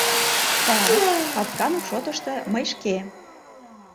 — Та-ак, Патканов шотышто мый шке...